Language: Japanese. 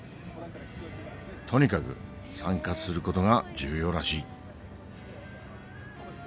とにかく参加する事が重要らしい。